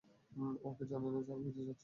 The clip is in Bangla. ও কি জানে না যে, আমি বিদেশ যাচ্ছি?